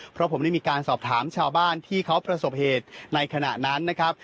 เพราะผมได้มีการสอบถามชาวบ้านที่เขาประสบเหตุในขณะนั้นนะครับ